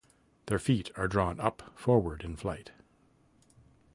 Their feet are drawn up forward in flight.